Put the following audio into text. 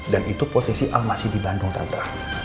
dan itu posisi al masih di bandung tante